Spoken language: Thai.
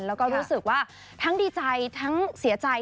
แล้วก็รู้สึกว่าทั้งดีใจทั้งเสียใจ